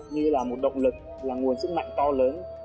như là một động lực là nguồn sức mạnh to lớn